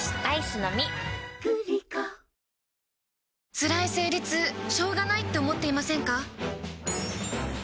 つらい生理痛しょうがないって思っていませんか？